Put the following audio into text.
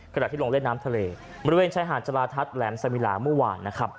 ขณะที่ลงเล่นน้ำทะเลบริเวณชายหาดจราทัศน์แหลมสมิลาเมื่อวานนะครับ